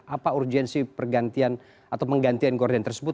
apa urgensi penggantian gorden tersebut